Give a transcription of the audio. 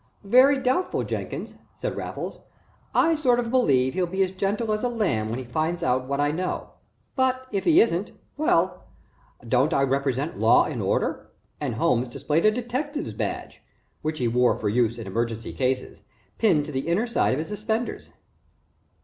"Very doubtful, Jenkins," said Raffles. "I sort of believe he'll be as gentle as a lamb when he finds out what I know but, if he isn't, well, don't I represent law and order?" and Holmes displayed a detective's badge, which he wore for use in emergency cases, pinned to the inner side of his suspenders.